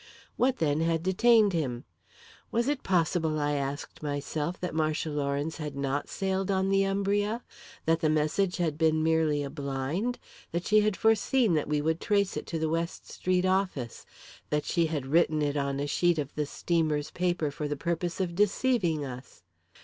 What, then, had detained him? Was it possible, I asked myself, that Marcia Lawrence had not sailed on the Umbria, that the message had been merely a blind, that she had foreseen that we would trace it to the West Street office, that she had written it on a sheet of the steamer's paper for the purpose of deceiving us?